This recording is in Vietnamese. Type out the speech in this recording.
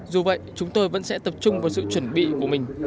dù vậy chúng tôi vẫn sẽ tập trung vào sự chuẩn bị của mình